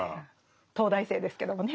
東大生ですけどもね。